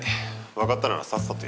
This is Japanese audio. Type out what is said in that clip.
分かったならさっさとやって。